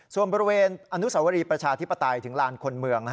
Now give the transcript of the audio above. ส่วนบริเวณอนุสาวรีประชาธิปไตยถึงลานคนเมือง